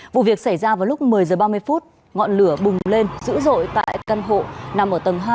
vụ việc xảy ra vào lúc một mươi h ba mươi ngọn lửa bùng lên dữ dội tại căn hộ nằm ở tầng hai